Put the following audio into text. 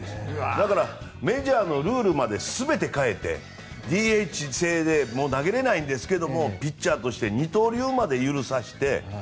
だからメジャーのルールまで全て変えてＤＨ制で投げられないんですけどもピッチャーとして二刀流まで許させて。